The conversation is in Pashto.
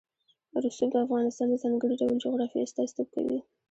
رسوب د افغانستان د ځانګړي ډول جغرافیه استازیتوب کوي.